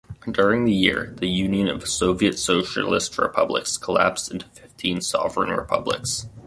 During the year, the Union of Soviet Socialist Republics collapsed into fifteen sovereign republics.